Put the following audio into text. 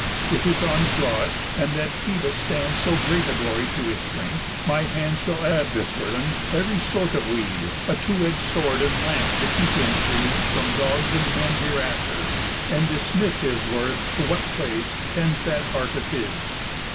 If his arms draw it, and that Phœbus stands So great a glory to his strength, my hands Shall add this guerdon: Ev'ry sort of weed, A two edg'd sword, and lance to keep him freed From dogs and men hereafter, and dismiss His worth to what place tends that heart of his."